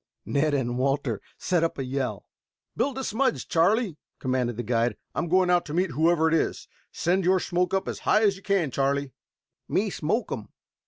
Ned and Walter set up a yell. "Build a smudge, Charlie," commanded the guide. "I am going out to meet whoever it is. Send your smoke up as high as you can, Charlie." "Me smoke um."